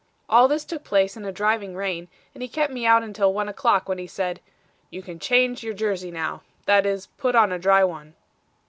All this took place in a driving rain, and he kept me out until one o'clock, when he said: "'You can change your jersey now; that is, put on a dry one.'